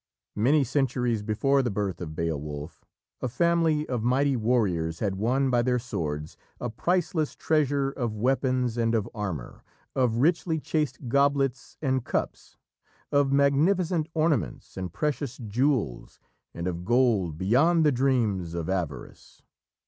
Many centuries before the birth of Beowulf, a family of mighty warriors had won by their swords a priceless treasure of weapons and of armour, of richly chased goblets and cups, of magnificent ornaments and precious jewels, and of gold "beyond the dreams of avarice."